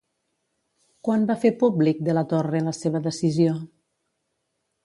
Quan va fer públic De la Torre la seva decisió?